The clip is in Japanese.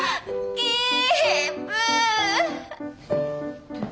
キープ！